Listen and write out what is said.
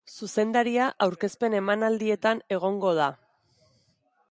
Zuzendaria aurkezpen-emanaldietan egongo da.